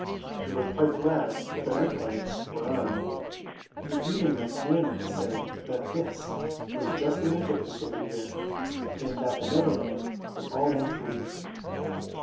You were quite glad that the night lights were on. You even liked Nana to say that this was just the mantelpiece over here, and that the Neverland was all make believe.